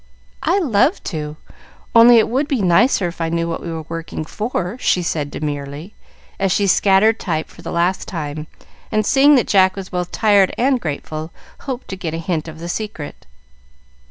"I love to; only it would be nicer if I knew what we were working for," she said demurely, as she scattered type for the last time; and seeing that Jack was both tired and grateful, hoped to get a hint of the secret.